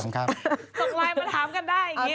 ส่งไลน์มาถามกันได้